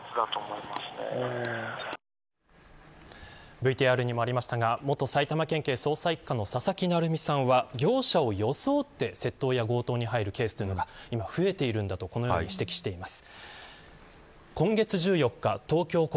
ＶＴＲにもありましたが元埼玉県警捜査一課の佐々木成三さんは業者を装って窃盗や強盗などに入るケースが多いと指摘しています。